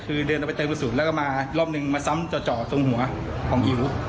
คือเดินกลับไปเตรียมศูนย์แล้วก็มารอบหนึ่งมาซ้ำเจาะเจาะตรงหัวของอิ๋ว